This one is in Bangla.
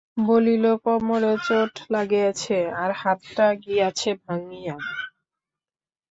বলিল, কোমরে চোট লাগিয়াছে আর হাতটা গিয়াছে ভাঙিয়া।